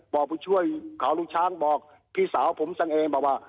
บอกผู้ช่วยข่าวลูกช้างบอกพี่สาวผมซะเองบอกว่า